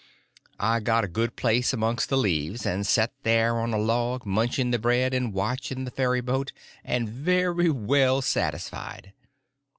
I got a good place amongst the leaves, and set there on a log, munching the bread and watching the ferry boat, and very well satisfied.